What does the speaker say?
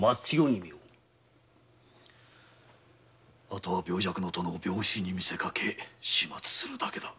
あとは病弱の殿を病死にみせかけ始末するだけだ。